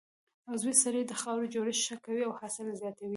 عضوي سرې د خاورې جوړښت ښه کوي او حاصل زیاتوي.